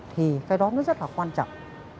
thì cái đó nó rất là quan trọng